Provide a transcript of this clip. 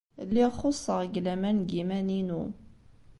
Lliɣ xuṣṣeɣ deg laman deg yiman-inu.